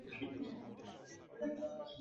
ওখানে তুমি কি ছাই করছিলে?